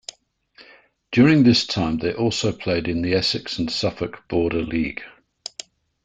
During this time they also played in the Essex and Suffolk Border League.